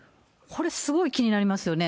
これ、すごい気になりますよね。